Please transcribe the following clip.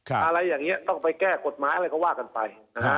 อะไรอย่างนี้ต้องไปแก้กฎหมายอะไรก็ว่ากันไปนะฮะ